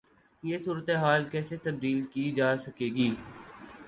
یہ صورتحال کیسے تبدیل کی جا سکے گی؟